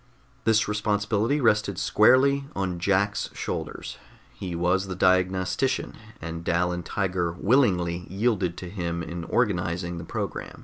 This responsibility rested squarely on Jack's shoulders; he was the diagnostician, and Dal and Tiger willingly yielded to him in organizing the program.